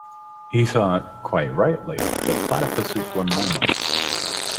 He thought, quite rightly, that platypuses were mammals.